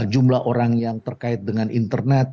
jumlah orang yang terkait dengan internet